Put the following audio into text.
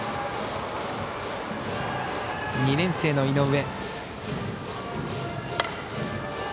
２年生の井上。